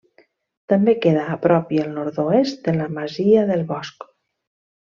També queda a prop i al nord-oest de la masia del Bosc.